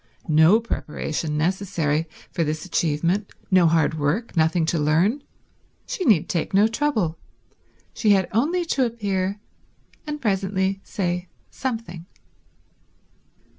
No preparation necessary for this achievement, no hard work, nothing to learn. She need take no trouble. She had only to appear, and presently say something.